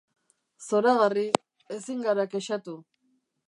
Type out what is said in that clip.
Zoragarri, ezin gara kexatu.